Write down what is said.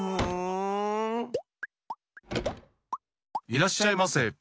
いらっしゃいませ！